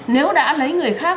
nếu đã lấy người khác